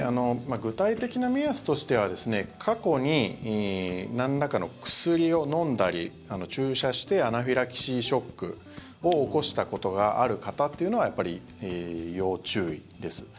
具体的な目安としては過去になんらかの薬を飲んだり注射してアナフィラキシーショックを起こしたことがある方というのはやっぱり要注意です。